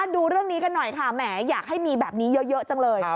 ดูเรื่องนี้กันหน่อยค่ะแหมอยากให้มีแบบนี้เยอะจังเลย